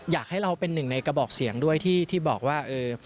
อยากให้เราเป็นหนึ่งในกระบอกเสียงด้วยที่บอกว่า